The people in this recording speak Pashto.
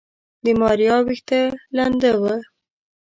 د ماريا ويښته لنده وه.